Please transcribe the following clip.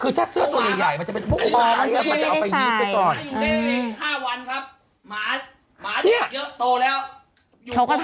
นั่นฝั่งของพี่พี่มันไม่เคยใส่เลย